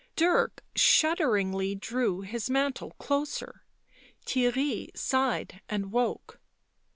Dirk shud deringly drew his mantle closer; Theirry sighed and woke.